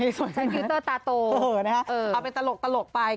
ค่ะแชนพิวเตอร์ตาโตเออนะฮะเอาเป็นตลกไป